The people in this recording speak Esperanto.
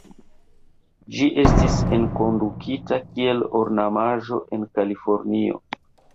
Ĝi estis enkondukita kiel ornamaĵo en Kalifornio.